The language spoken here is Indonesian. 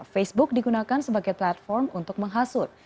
facebook digunakan sebagai platform untuk menghasut